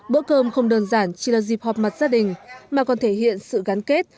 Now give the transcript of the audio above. bữa cơm không đơn giản chỉ là dịp họp mặt gia đình mà còn thể hiện sự gắn kết